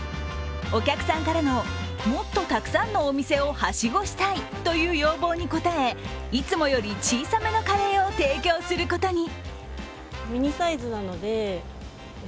お客さんからの、もっとたくさんのお店をはしごしたいという要望に応えいつもより小さめのカレーを提供することに。